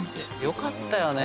よかったよね。